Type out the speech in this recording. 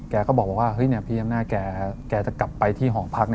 แกก็บอกว่าพี่อำนาจแกจะกลับไปที่หอพัก